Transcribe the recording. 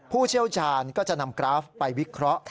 ผู้เชี่ยวชาญก็จะนำกราฟไปวิเคราะห์